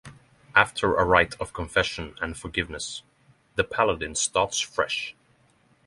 After a rite of confession and forgiveness, the paladin starts fresh.